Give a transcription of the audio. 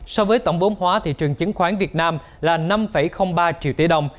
so với tổng vốn hóa thị trường chứng khoán việt nam là năm ba triệu tỷ đồng